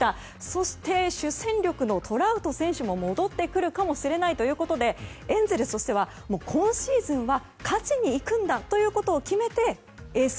そして、主戦力のトラウト選手も戻ってくるかもしれないということでエンゼルスとしては今シーズンは勝ちに行くんだということを決めエース